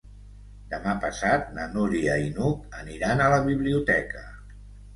Demà passat na Núria i n'Hug aniran a la biblioteca.